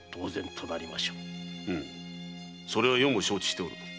うむそれは余も承知しておる。